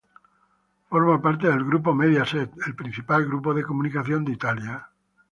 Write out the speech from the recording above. Forma parte del grupo Mediaset, el principal grupo de comunicación de Italia.